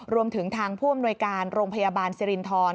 รวมถึงทางผู้อำนวยการโรงพยาบาลสิรินทร